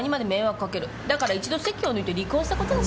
だから一度籍を抜いて離婚したことにしよう」って。